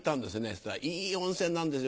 そしたらいい温泉なんですよ。